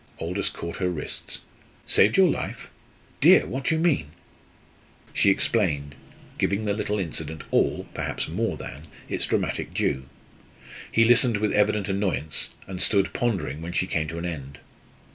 Aldous caught her wrists. "Saved your life! Dear What do you mean?" She explained, giving the little incident all perhaps more than its dramatic due. He listened with evident annoyance, and stood pondering when she came to an end.